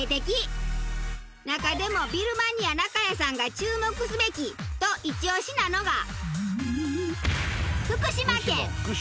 中でもビルマニア中谷さんが注目すべき！とイチオシなのが。